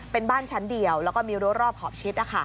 เป็นบ้านชั้นเดียวแล้วก็มีรั้วรอบขอบชิด